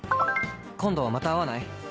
「今度また会わない？」。